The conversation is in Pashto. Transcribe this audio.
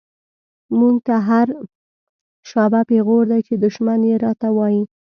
مونږ ته هر “شابه” پیغور دۍ، چی دشمن یی راته وایی